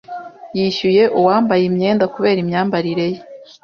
Yishyuye uwambaye imyenda kubera imyambarire ye.